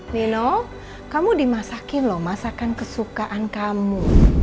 milo kamu dimasakin loh masakan kesukaan kamu